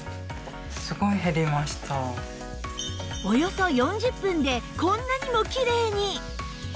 およそ４０分でこんなにもキレイに！